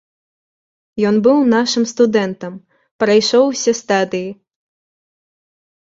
Ён быў нашым студэнтам, прайшоў усе стадыі.